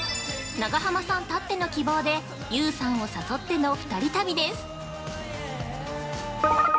長濱さんたっての希望で、ＹＯＵさんを誘っての２人旅です